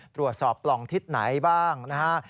ตรวจสอบปล่องทิศไหนบ้างนะครับ